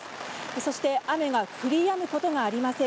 そして雨が降りやむことがありません。